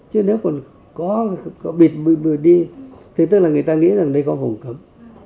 chứ nếu còn có bịt đi thì tức là người ta nghĩ rằng đây có vùng cấm